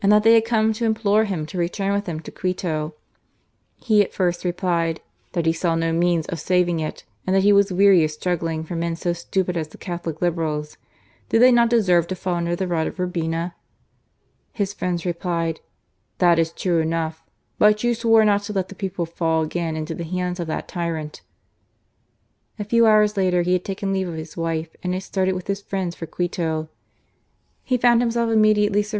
that they had come^to implore him to rettmuwrith Aem toQaito/' He lyt ifirst replied ''that be saw no means of saying ^ mnd that he was weary of struggling ias men so /stnpid as the Catholic Liberals. Did they nc^ 'd»ser^ ta fiJi nnd^ the xsod of Urbsna?". His 46riends replied : ''That is true enough; hut yon swore not t6 let the peofdefaU again into the Imods of tluit tyrant.'! A few hours later he had taken leave of his wife and had started with his friends ifM Quito. He found himself immediate^ sur*